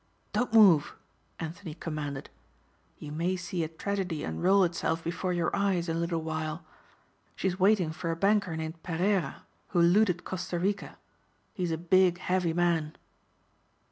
"Don't move," Anthony commanded. "You may see a tragedy unroll itself before your eyes in a little while. She's waiting for a banker named Pereira who looted Costa Rica. He's a big, heavy man."